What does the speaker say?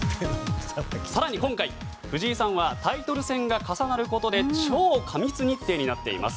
更に、今回藤井さんはタイトル戦が重なることで超過密日程になっています。